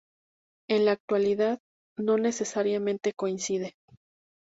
En la actualidad no necesariamente coincide.